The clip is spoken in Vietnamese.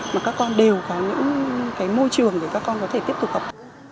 mà các con đều có những cái môi trường để các con có thể tiếp tục học